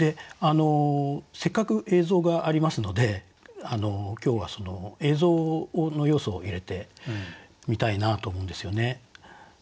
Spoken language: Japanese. せっかく映像がありますので今日はその映像の要素を入れてみたいなと思うんですよね。